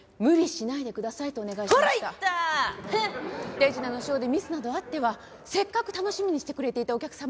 手品のショーでミスなどあってはせっかく楽しみにしてくれていたお客様に失礼ですから。